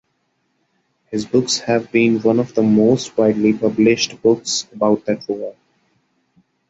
His books have been one of the most widely published books about that war.